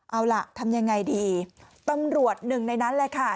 เอาล่ะทำยังไงดีตำรวจหนึ่งในนั้นแหละค่ะ